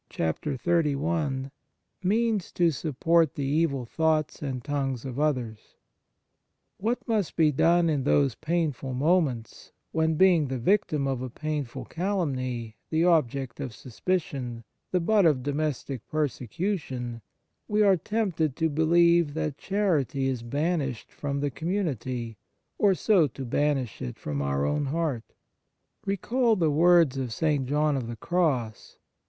73 XXXI MEANS TO SUPPORT THE EVIL THOUGHTS AND TONGUES OF OTHERS WHAT must be done in those painful moments when, being the victim of a painful calumny, the object of suspicion, the butt of domestic persecution, we are tempted to believe that charity is banished from the community, and so to banish it from our own heart? Recall the words of St. John of the Cross.